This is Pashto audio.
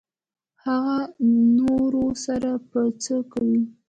هغه نورو سره به څه کوو.